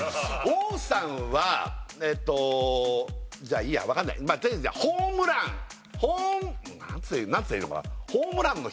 王さんはえっとーじゃあいいやわかんないとりあえずじゃあホームランホーム何て言ったらいいのかなああ